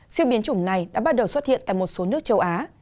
sự biến chủng này đã bắt đầu xuất hiện tại một số nước châu á